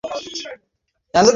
সোনামণি, ঠিক আছে, আম্মু আছি তো।